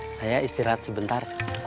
saya istirahat sebentar